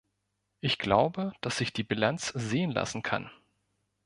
Ich glaube, dass sich die Bilanz sehen lassen kann.